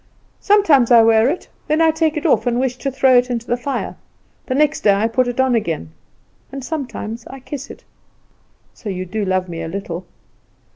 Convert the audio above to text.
"Sometimes I wear it; then I take it off and wish to throw it into the fire; the next day I put it on again, and sometimes I kiss it." "So you do love me a little?"